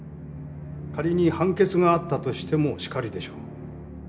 仮に判決があったとしてもしかりでしょう。